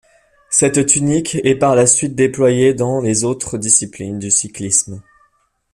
Cette tunique est par la suite déployée dans les autres disciplines du cyclisme.